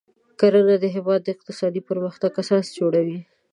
کرنه د هیواد د اقتصادي پرمختګ اساس جوړوي.